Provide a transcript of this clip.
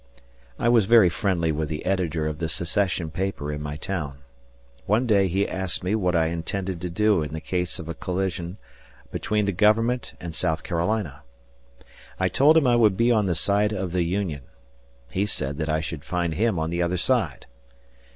I was very friendly with the editor of the secession paper in my town. One day he asked me what I intended to do in the case of a collision between the Government and South Carolina. I told him I would be on the side of the Union. He said that I should find him on the other side.